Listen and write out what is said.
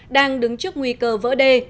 đang đứng trước nguy cơ vỡ đê